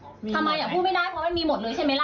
ทำไมอ่ะพูดไม่ได้เพราะมันมีหมดเลยใช่ไหมล่ะ